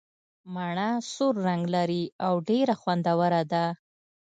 مڼه سور رنګ لري او ډېره خوندوره ده.